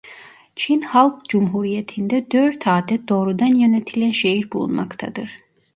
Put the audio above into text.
Çin Halk Cumhuriyeti'nde dört adet doğrudan yönetilen şehir bulunmaktadır.